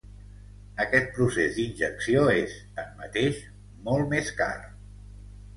Aquest procés d'injecció és, tanmateix, molt més car.